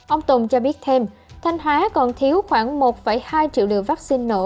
ông tùng cho biết thêm thanh hóa còn thiếu khoảng một hai triệu liều vaccine nổ